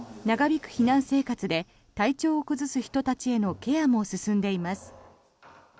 長引く避難生活で体調を崩す人たちへのケアも進んでいます。